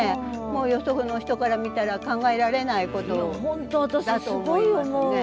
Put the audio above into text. もうよその人から見たら考えられないことだと思いますね。